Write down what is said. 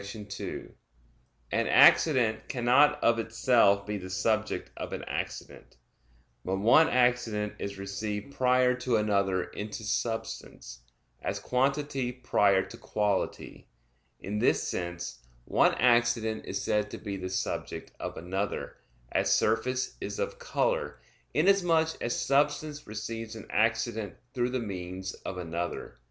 2: An accident cannot of itself be the subject of an accident; but one accident is received prior to another into substance, as quantity prior to quality. In this sense one accident is said to be the subject of another; as surface is of color, inasmuch as substance receives an accident through the means of another.